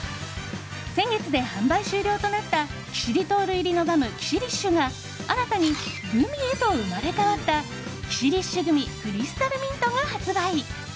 先月で販売終了となったキシリトール入りのガムキシリッシュが新たにグミへと生まれ変わったキシリッシュグミクリスタルミントが発売！